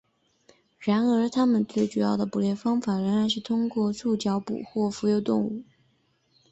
然而它们最主要的捕猎方法仍然是通过触角捕获浮游动物。